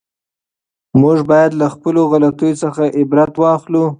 موږ باید له خپلو غلطیو څخه عبرت واخلو.